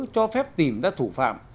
cho phép tìm ra thủ phạm